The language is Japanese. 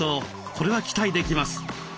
これは期待できます。